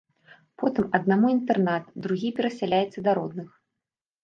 Потым аднаму інтэрнат, другі перасяляецца да родных.